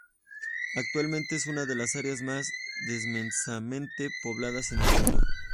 Actualmente es una de las áreas más densamente pobladas en el mundo.